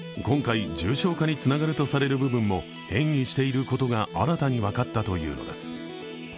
今回、重症化につながるとされる部分も変異していることが新たに分かったというのです。